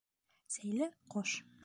«Сәйле» ҡош.